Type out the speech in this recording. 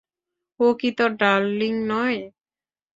ও কি তোর ডার্লিং নয়?